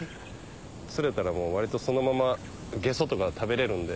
釣れたら割とそのままゲソとか食べれるんで。